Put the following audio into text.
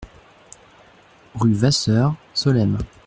Rue Vasseur, Solesmes